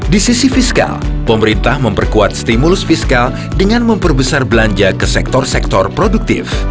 di sisi fiskal pemerintah memperkuat stimulus fiskal dengan memperbesar belanja ke sektor sektor produktif